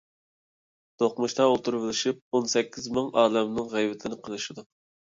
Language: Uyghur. دوقمۇشتا ئولتۇرۇشۇۋېلىپ ئون سەككىز مىڭ ئالەمنىڭ غەيۋىتىنى قىلىشىدۇ.